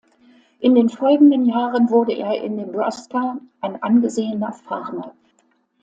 In den folgenden Jahren wurde er in Nebraska ein angesehener Farmer.